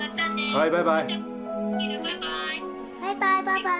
バイバイバイバイ。